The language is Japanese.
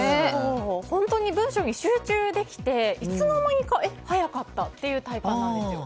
本当に文章に集中できていつの間にかえ、速かったっていう体感なんですよ。